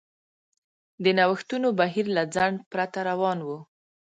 د نوښتونو بهیر له ځنډ پرته روان و.